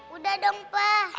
udah dong papa